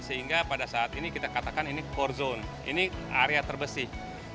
sehingga pada saat ini kita katakan ini core zone ini area terbesih